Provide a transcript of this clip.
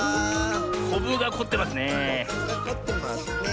こぶがこってますねえ。